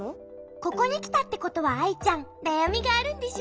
ここにきたってことはアイちゃんなやみがあるんでしょ？